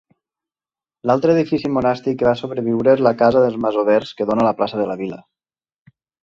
L'altre edifici monàstic que va sobreviure és la casa dels masovers que dona a la plaça de la vil·la.